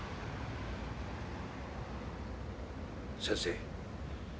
先生。